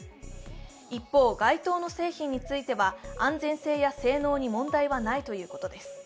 一方、該当の製品については安全性や性能に問題はないということです。